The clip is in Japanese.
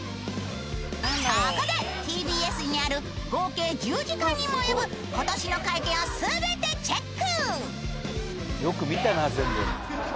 そこでＴＢＳにある合計１０時間にも及ぶ今年の会見をすべてチェック